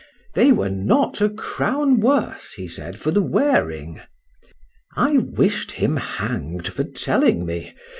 —They were not a crown worse, he said, for the wearing.—I wish'd him hang'd for telling me.